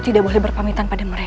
tidak usah khawatir